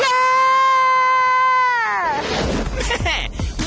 เยี่ยม